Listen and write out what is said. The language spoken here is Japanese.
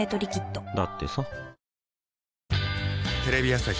だってさ